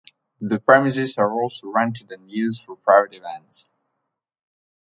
The premises are also rented and used for private events.